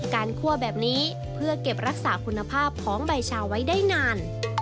คั่วแบบนี้เพื่อเก็บรักษาคุณภาพของใบชาไว้ได้นาน